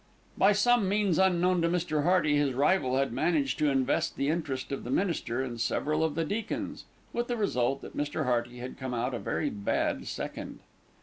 By some means unknown to Mr. Hearty, his rival had managed to invest the interest of the minister and several of the deacons, with the result that Mr. Hearty had come out a very bad second.